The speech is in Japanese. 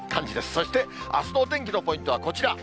そして、あすのお天気のポイントはこちら。